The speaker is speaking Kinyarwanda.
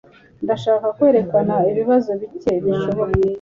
Ndashaka kwerekana ibibazo bike bishoboka.